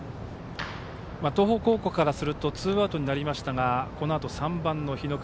東北高校からするとツーアウトになりましたがこのあと、３番の日隈。